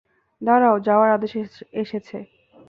দাঁড়াও, যাওয়ার আদেশ এসেছে।